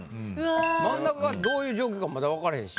真ん中がどういう状況かまだわかれへんし。